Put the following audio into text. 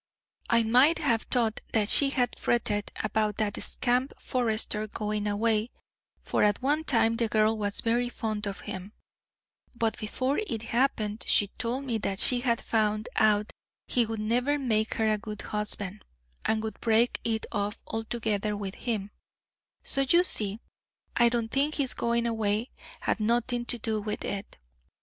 I might have thought that she had fretted about that scamp Forester going away, for at one time the girl was very fond of him, but before it happened she told me that she had found out he would never make her a good husband, and would break it off altogether with him; so you see I don't think his going away had anything to do with it.